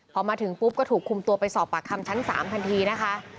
พอมาถึงปุ๊บก็ถูกคุมตัวไปสอบปากคำชั้น๓ทันทีนะคะ